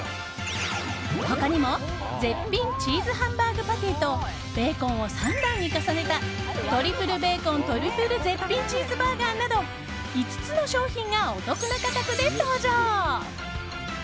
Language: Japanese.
他にも絶品チーズハンバーグパティとベーコンを３段に重ねたトリプルベーコントリプル絶品チーズバーガーなど５つの商品がお得な価格で登場。